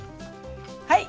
はい。